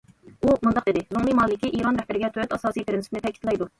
ئۇ مۇنداق دېدى: زۇڭلى مالىكى ئىران رەھبىرىگە تۆت ئاساسىي پىرىنسىپنى تەكىتلەيدۇ.